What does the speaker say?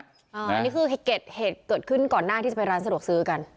อันนี้คือเหตุเกิดขึ้นก่อนหน้าที่จะไปร้านสะดวกซื้อกัน